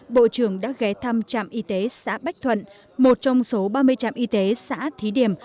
bộ trưởng đã ghé thăm trạm y tế xã bách thuận một trong số ba mươi trạm y tế xã thí điểm